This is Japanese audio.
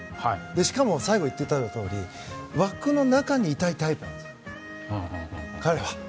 しかも最後に言っていたように枠の中にいたいタイプなんです、彼は。